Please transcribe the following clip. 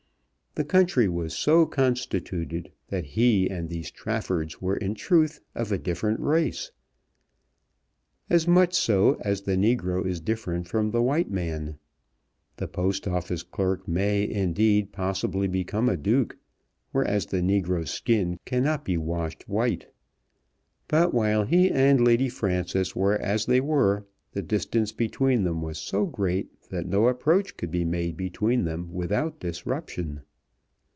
The country was so constituted that he and these Traffords were in truth of a different race; as much so as the negro is different from the white man. The Post Office clerk may, indeed, possibly become a Duke; whereas the negro's skin cannot be washed white. But while he and Lady Frances were as they were, the distance between them was so great that no approach could be made between them without disruption.